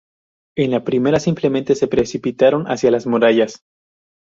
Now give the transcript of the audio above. En la primera simplemente se precipitaron hacia las murallas.